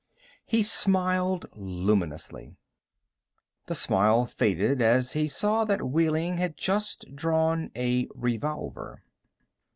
He smiled luminously. The smile faded as he saw that Wehling had just drawn a revolver.